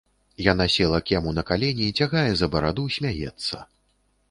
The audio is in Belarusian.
Яна села к яму на калені, цягае за бараду, смяецца.